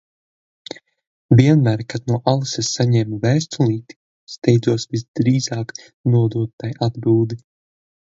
Vienmēr kad no Alises saņēmu vēstulīti, steidzos visdrīzāk nodot tai atbildi.